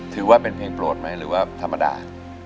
ถือว่าเป็นเพลงโปรดไหมหรือว่าธรรมดา